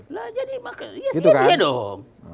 nah jadi makanya iya sih ini ya dong